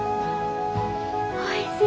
おいしい！